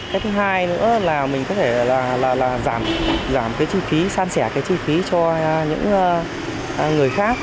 cái thứ hai nữa là mình có thể là giảm cái chi phí san sẻ cái chi phí cho những người khác